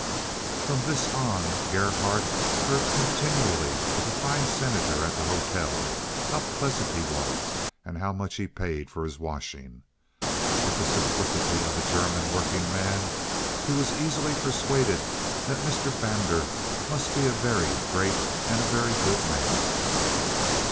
From this on, Gerhardt heard continually of the fine Senator at the hotel, how pleasant he was, and how much he paid for his washing. With the simplicity of a German workingman, he was easily persuaded that Mr. Brander must be a very great and a very good man.